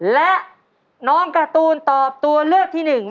และน้องการ์ตูนตอบตัวเลขที่๑แก้วมังกร